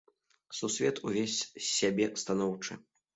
Сусвет увесь з сябе станоўчы.